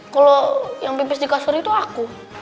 kalau yang bibis di kasur itu aku